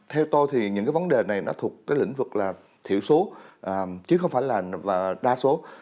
theo tôi thì những cái vấn đề này nó thuộc cái lĩnh vực là thiểu số chứ không phải là đa số